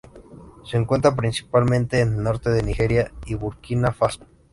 Se encuentra principalmente en el norte de Nigeria y Burkina Faso.